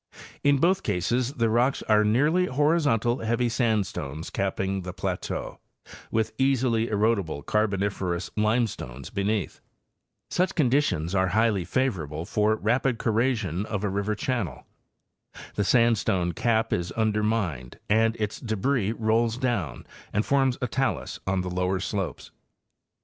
In both cases the rocks are nearly horizontal, heavy sandstones capping the plateau, with easily erodible Carboniferous limestones beneath. Such conditions are highly favorable for rapid corrasion of a river channel. The sandstone cap is undermined and its débris rolls down and forms a talus on the lower slopes.